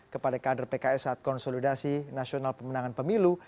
kepada kader pks saat konsolidasi nasional pemenangan pemilu